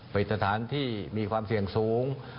เป็นสถานที่มีความเสี่ยงสูง